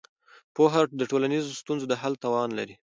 پوهه د ټولنیزو ستونزو د حل توان لري.